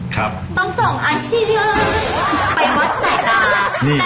จ้านี่ทำหน้าที่น้อยมากเพราะว่าอายุอาณายังไม่ถึง